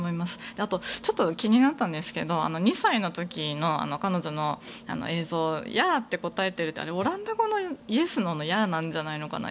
あと、ちょっと気になったんですけど２歳の時の彼女の映像、イヤー！って答えているけどあれはオランダ語のイエス、ノーのイヤーなのかなと。